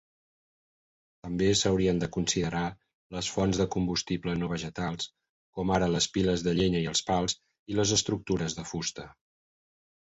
També s'haurien de considerar les fonts de combustible no vegetals, com ara les piles de llenya i els pals i les estructures de fusta.